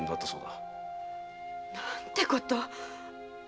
何てこと！